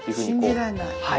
信じられない。